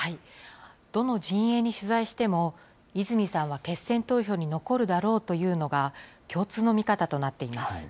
どの陣営に取材しても、泉さんは決選投票に残るだろうというのが、共通の見方となっています。